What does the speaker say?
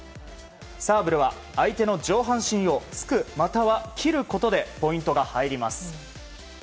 サーブルは相手の上半身を突く、または斬ることでポイントが入ります。